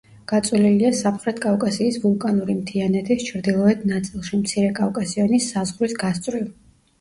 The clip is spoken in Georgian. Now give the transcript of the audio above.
გაწოლილია სამხრეთ კავკასიის ვულკანური მთიანეთის ჩრდილოეთ ნაწილში, მცირე კავკასიონის საზღვრის გასწვრივ.